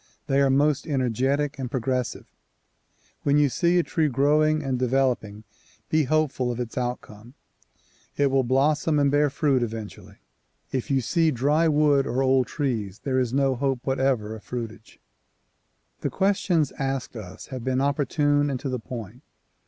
They are most energetic and progressive. When you see a tree growing and developing be hopeful of its outcome. It will blossom and bear fruit eventually. If you see dry wood or old trees, there is no hope whatever of fruitage. The questions asked us have been opportune and to the point.